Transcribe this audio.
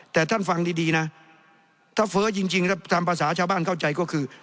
แต่ท่านฟังดีนะถ้าเฟ้อจริงแล้วตามภาษาชาวบ้านเข้าใจก็คือ